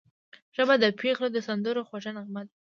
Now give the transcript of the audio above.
ژبه د پېغلو د سندرو خوږه نغمه ده